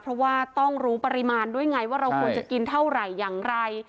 เพราะว่าต้องรู้ปริมาณด้วยไงว่าเราควรจะกินเท่าไหร่อย่างไร